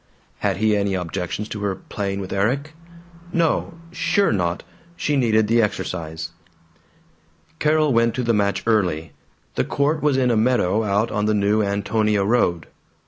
Had he any objections to her playing with Erik? No; sure not; she needed the exercise. Carol went to the match early. The court was in a meadow out on the New Antonia road.